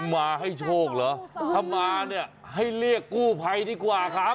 มาให้โชคเหรอถ้ามาเนี่ยให้เรียกกู้ภัยดีกว่าครับ